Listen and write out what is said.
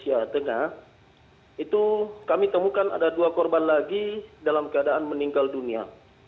itu kami temukan ada dua korban lagi dalam keadaan meninggal dunia